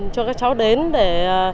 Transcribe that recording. cho các cháu đến để